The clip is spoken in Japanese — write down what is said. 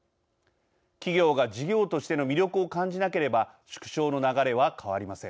企業が事業としての魅力を感じなければ縮小の流れは変わりません。